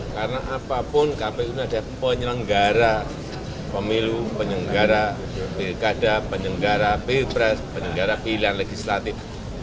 karena apapun kpu ini adalah penyelenggara pemilu penyelenggara pilkada penyelenggara pilpres penyelenggara pilihan legislatif